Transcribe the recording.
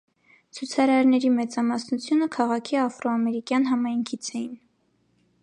Ցուցարարների մեծամասնությունը քաղաքի աֆրոամերիկյան համայնքից էին։